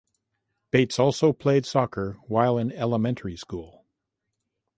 Bates also played soccer while in elementary school.